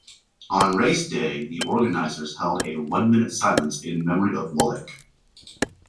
On race day, the organizers held a one-minute silence in memory of Wollek.